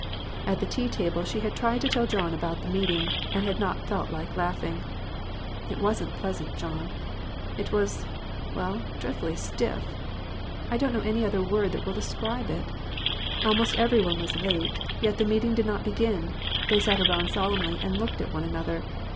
At the tea table she had tried to tell John about the meeting, and had not felt like laughing. "It wasn't pleasant, John; it was, well, dread fully stiff ; I don't know any other word that will describe it. Almost every one was late, yet the meeting did not begin ; they sat around solemnly and looked at one another.